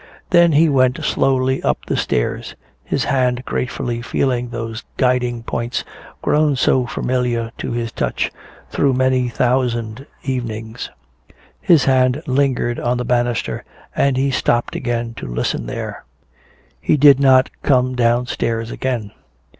Then he went slowly up the stairs, his hand gratefully feeling those guiding points grown so familiar to his touch through many thousand evenings. His hand lingered on the banister and he stopped again to listen there. He did not come downstairs again.